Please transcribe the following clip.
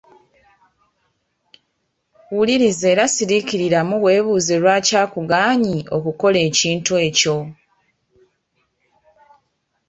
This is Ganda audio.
Wuliriza era siriikiriramu weebuuze lwaki akugaanyi okukola ekintu ekyo.